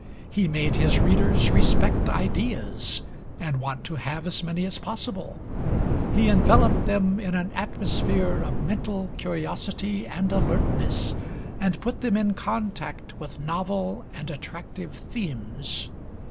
He made his readers respect ideas, and want to have as many as possible. He enveloped them in an atmosphere of mental curiosity and alertness, and put them in contact with novel and attractive themes.